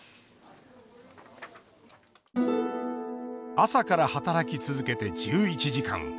朝から働き続けて１１時間。